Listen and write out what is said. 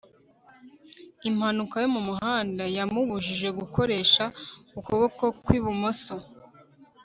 impanuka yo mumuhanda yamubujije gukoresha ukuboko kwi bumoso